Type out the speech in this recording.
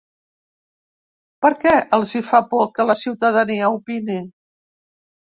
Per què els hi fa por que la ciutadania opini?